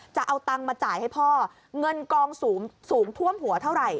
จะเอาตังค์มาจ่ายให้พ่อเงินกองสูงท่วมหัวเท่าไหร่